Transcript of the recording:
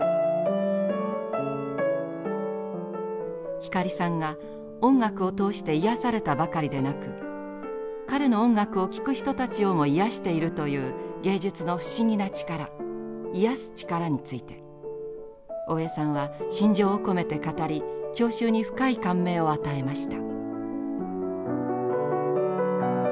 光さんが音楽を通して癒やされたばかりでなく彼の音楽を聴く人たちをも癒やしているという芸術の不思議な力癒やす力について大江さんは心情を込めて語り聴衆に深い感銘を与えました。